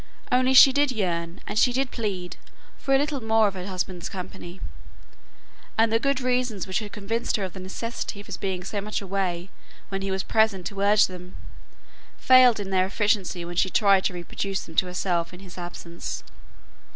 Only she did yearn, and she did plead, for a little more of her husband's company; and the good reasons which had convinced her of the necessity of his being so much away when he was present to urge them, failed in their efficacy when she tried to reproduce them to herself in his absence.